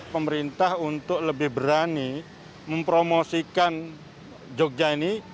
pemerintah untuk lebih berani mempromosikan jogja ini